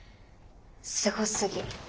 すごすぎ。